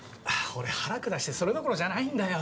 俺腹下してそれどころじゃないんだよ。